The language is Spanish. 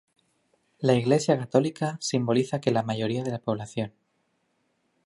La iglesia católica simboliza que la mayoría de la población.